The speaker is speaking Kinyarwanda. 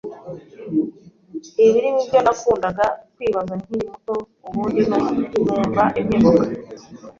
birimo ibyo nakundaga kwibaza nkiri muto ubundi numva impinduka